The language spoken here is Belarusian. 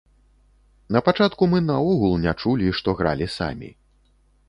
Напачатку мы наогул не чулі, што гралі самі.